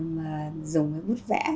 mà dùng cái bút vẽ